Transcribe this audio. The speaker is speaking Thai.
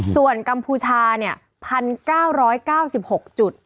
ส่วนกัมพูชา๑๙๙๖จุด